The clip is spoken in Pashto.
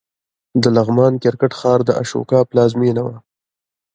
د لغمان کرکټ ښار د اشوکا پلازمېنه وه